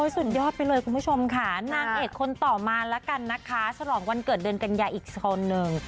สุดยอดไปเลยคุณผู้ชมค่ะนางเอกคนต่อมาแล้วกันนะคะฉลองวันเกิดเดือนกันยาอีกโซนหนึ่ง